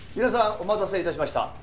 皆さんお待たせいたしました。